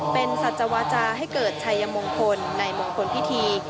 เป็นสัจวาจาให้เกิดชัยมงคลในมงคลพิธี